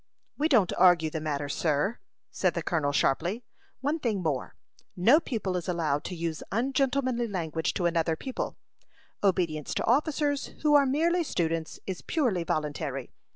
"We don't argue the matter, sir," said the colonel, sharply. "One thing more: no pupil is allowed to use ungentlemanly language to another pupil. Obedience to officers who are merely students is purely voluntary.